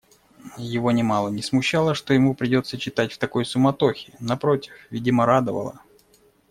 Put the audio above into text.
Его нимало не смущало, что ему придется читать в такой суматохе, напротив, видимо радовало.